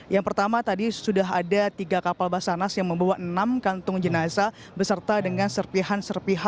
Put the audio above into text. yang pertama tadi sudah ada tiga kapal basarnas yang membawa enam kantung jenazah beserta dengan serpihan serpihan